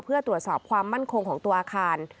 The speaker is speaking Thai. เพื่อตรวจสอบความมั่นคงของตัวอาคาร